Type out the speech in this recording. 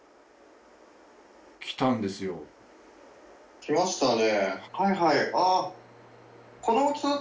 来たんですよ。来ましたね。